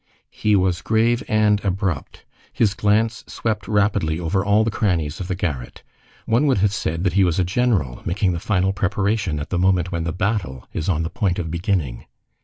He was grave and abrupt. His glance swept rapidly over all the crannies of the garret. One would have said that he was a general making the final preparation at the moment when the battle is on the point of beginning.